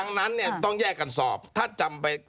ดังนั้นเนี่ยต้องแยกกันสอบถ้าจำไป